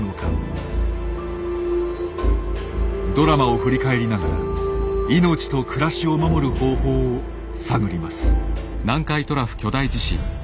ドラマを振り返りながら命と暮らしを守る方法を探ります。